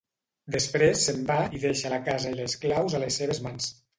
Després se'n va i deixa la casa i les claus a les seves mans.